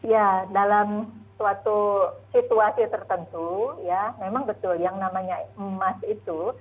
ya dalam suatu situasi tertentu ya memang betul yang namanya emas itu